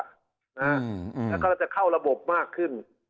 อันนี้ก็จะเข้าระบบมากขึ้น